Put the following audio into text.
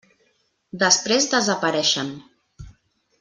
Després desapareixen.